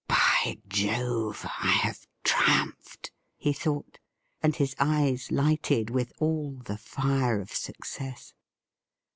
' By Jove ! I have triumphed,' he thought, and his eyes lighted with all the fire of success.